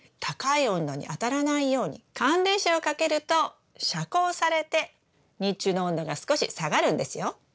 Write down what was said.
高い温度に当たらないように寒冷紗をかけると遮光されて日中の温度が少し下がるんですよ。